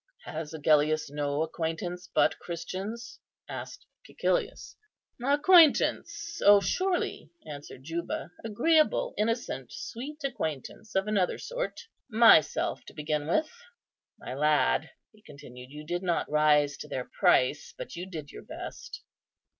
"Has Agellius no acquaintance but Christians?" asked Cæcilius. "Acquaintance! O surely!" answered Juba; "agreeable, innocent, sweet acquaintance of another sort; myself to begin with. My lad," he continued, "you did not rise to their price, but you did your best."